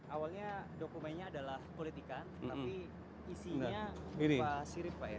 awalnya dokumennya adalah kulit ikan tapi isinya berupa sirip pak